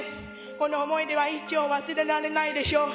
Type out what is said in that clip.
この思い出は一生忘れられないでしょう。